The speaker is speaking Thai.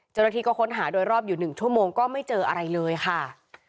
เจ้าหน้าที่ก็ค้นหาโดยรอบอยู่๑ชั่วโมงก็ไม่เจออะไรเลยค่ะ